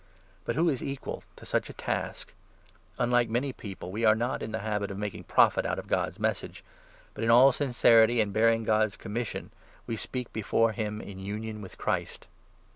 But who is equal to such a task ? Unlike 17 many people, we are not in the habit of making profit out of God's Message ; but in all sincerity, and bearing God's com mission, we speak before him in union with Christ.